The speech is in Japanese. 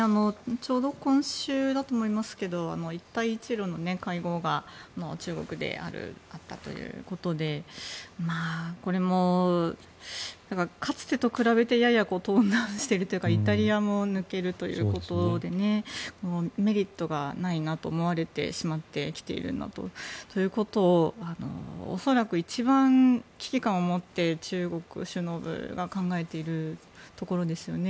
ちょうど今週だと思いますが一帯一路の会合が中国であったということでこれも、かつてと比べてややトーンダウンしているというかイタリアも抜けるということでねメリットがないなと思われてしまってきているんだということを恐らく一番、危機感を持っている中国首脳部が考えているところですよね。